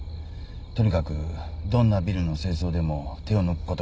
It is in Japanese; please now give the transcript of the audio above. とにかくどんなビルの清掃でも手を抜くことがないそうです。